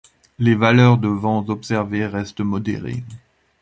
Les valeurs de vent observées restent modérées.